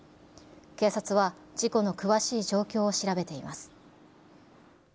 警察は、事故の詳しい状況を調べています。